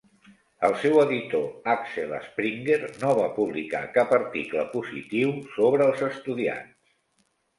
El seu editor, Axel Springer, no va publicar cap article positiu sobre els estudiants.